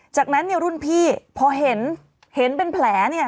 จากนั้นเนี่ยรุ่นพี่พอเห็นเห็นเป็นแผลเนี่ย